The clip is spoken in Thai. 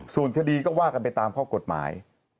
ส่วนคดีก็ว่ากันไปตามข้อกฎหมาย